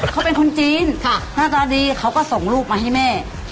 เขาเป็นคนจีนหน้าตาดีเขาก็ส่งรูปมาให้แม่